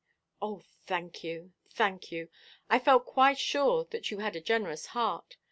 "Oh, thank you, thank you! I felt quite sure that you had a generous heart.